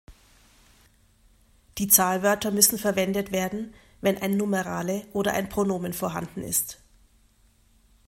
Die Zahlwörter müssen verwendet werden, wenn ein Numerale oder ein Pronomen vorhanden ist.